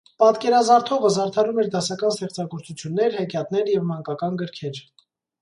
Պատկերազարդողը զարդարում էր դասական ստեղծագործություններ, հեքիաթներ և մանկական գրքեր։